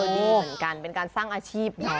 ดีเหมือนกันเป็นการสร้างอาชีพนะ